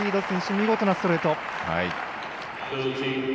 見事なストレート。